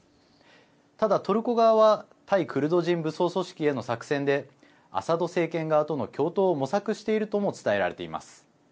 ただ、トルコ側は対クルド人武装組織への作戦でアサド政権側との共闘を模索しているとも伝えられています。